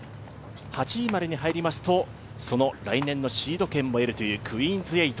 ８位までに入りますと、来年のシード権を得るというクイーンズ８。